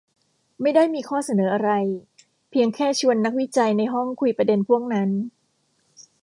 ไม่ได้มีข้อเสนออะไร เพียงแค่ชวนนักวิจัยในห้องคุยประเด็นพวกนั้น